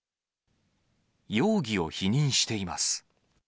容疑を否認しています。